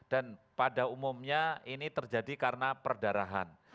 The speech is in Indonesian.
pada umumnya ini terjadi karena perdarahan